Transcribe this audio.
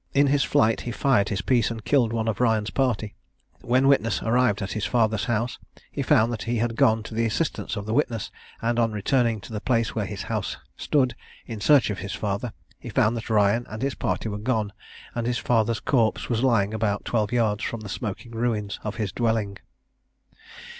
In his flight he fired his piece, and killed one of Ryan's party. When witness arrived at his father's house, he found that he had gone to the assistance of the witness; and on returning to the place where his house stood, in search of his father, he found that Ryan and his party were gone, and his father's corpse was lying about twelve yards from the smoking ruins of his dwelling.